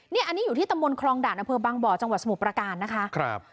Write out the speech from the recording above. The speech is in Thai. เนี้ยอันนี้อยู่ที่ตะมนต์คลองด่านอเผลบางบ่อจังหวัดสมุประการนะคะครับ